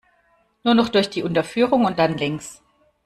Nur noch durch die Unterführung und dann links.